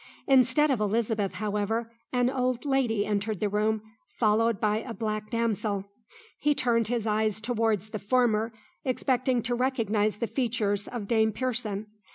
Instead of Elizabeth, however, an old lady entered the room, followed by a black damsel. He turned his eyes towards the former, expecting to recognise the features of Dame Pearson.